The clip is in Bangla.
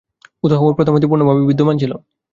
উহা প্রথম হইতে পূর্ণভাবেই বিদ্যমান ছিল।